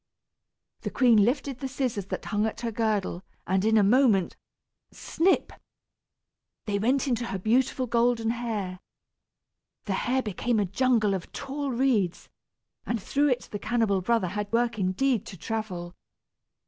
The queen lifted the scissors that hung at her girdle, and in a moment, snip! they went into her beautiful golden hair. The hair became a jungle of tall reeds, and through it the cannibal brother had work indeed to travel.